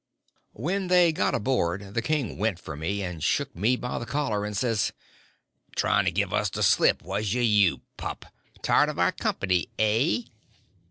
When they got aboard the king went for me, and shook me by the collar, and says: "Tryin' to give us the slip, was ye, you pup! Tired of our company, hey?"